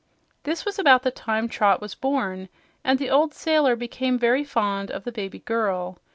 This was about the time Trot was born, and the old sailor became very fond of the baby girl.